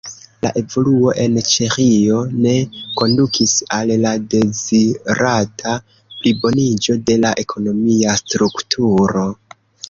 La evoluo en Ĉeĥio ne kondukis al la dezirata pliboniĝo de la ekonomia strukturo.